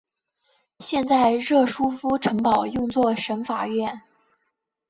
现在热舒夫城堡用作省法院。